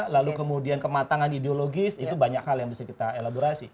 lalu kemudian kematangan ideologis itu banyak hal yang bisa kita elaborasi